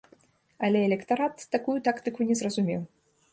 Але электарат такую тактыку не зразумеў.